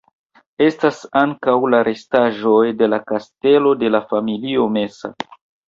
Estas ankaŭ la restaĵoj de la kastelo de la familio Mesa.